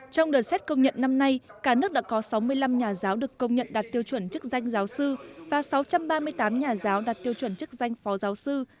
trong đợt xét công nhận năm nay cả nước đã có sáu mươi năm nhà giáo được công nhận đạt tiêu chuẩn chức danh giáo sư và sáu trăm ba mươi tám nhà giáo đạt tiêu chuẩn chức danh phó giáo sư